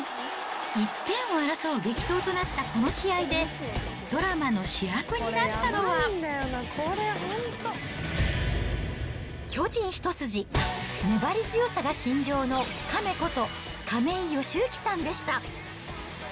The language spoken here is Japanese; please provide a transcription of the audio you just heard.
１点を争う激闘となったこの試合で、ドラマの主役になったのは、巨人一筋、粘り強さが信条のカメこと亀井善行さんでした。